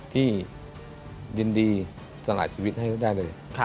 ที่ยินดีสลายชีวิตให้ได้เลย